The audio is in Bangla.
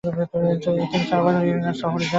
তিনি চারবার ইংল্যান্ড সফরে যান।